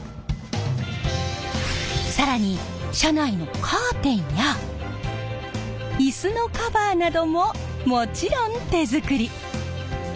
更に車内のカーテンやイスのカバーなどももちろん手作り！